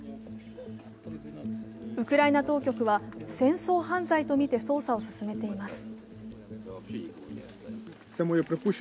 ウクライナ当局は、戦争犯罪とみて捜査を進めています。